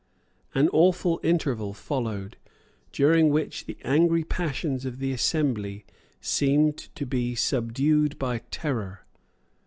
An awful interval followed, during which the angry passions of the assembly seemed to be subdued by terror.